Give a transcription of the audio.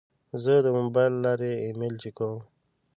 زه د موبایل له لارې ایمیل چک کوم.